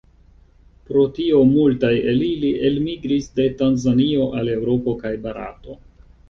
Pro tio multaj el ili elmigris de Tanzanio al Eŭropo kaj Barato.